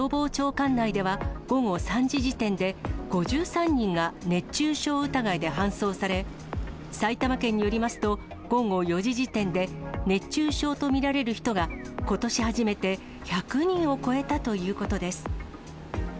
管内では午後３時時点で、５３人が熱中症疑いで搬送され、埼玉県によりますと、午後４時時点で、熱中症と見られる人が、ことし初めて１００人を超えたということです。